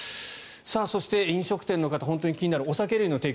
そして、飲食店の方気になるお酒類の提供